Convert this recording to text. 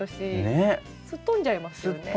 すっ飛んじゃいますよね。